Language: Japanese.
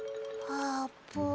あーぷん？